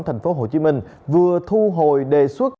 tp hcm vừa thu hồi đề xuất